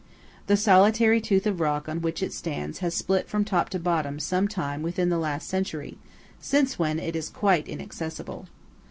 The solitary tooth of rock on which it stands has split from top to bottom some time within the last century; since when it is quite inaccessible.